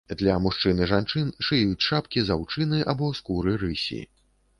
Для мужчын і жанчын шыюць шапкі з аўчыны або скуры рысі.